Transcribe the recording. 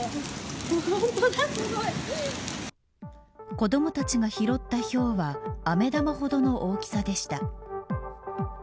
子どもたちが拾ったひょうはあめ玉ほどの大きさでした。